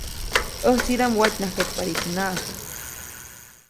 ‒ʼÄjtsidaʼm watnyajkeʼtpadiʼtsinaʼajk-.